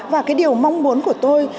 và cái điều mong muốn của tôi